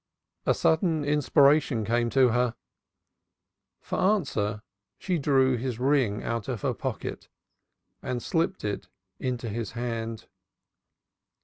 A sudden inspiration came to her. For answer she drew his ring out of her pocket and slipped it into his hand.